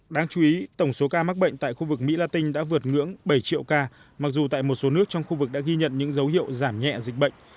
đáng chú ý tổng số ca mắc bệnh tại khu vực mỹ la tinh đã vượt ngưỡng bảy triệu ca mặc dù tại một số nước trong khu vực đã ghi nhận những dấu hiệu giảm nhẹ dịch bệnh